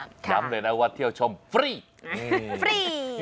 นำเลยนะว่าเที่ยวชมฟรี